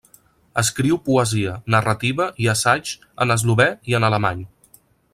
Escriu poesia, narrativa i assaigs en eslové i en alemany.